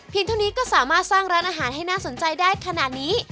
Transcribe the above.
เท่านี้ก็สามารถสร้างร้านอาหารให้น่าสนใจได้ขนาดนี้